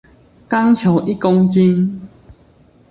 鋼球一公斤